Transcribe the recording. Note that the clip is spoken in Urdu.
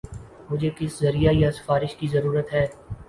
مجھے کس ذریعہ یا سفارش کی ضرورت ہے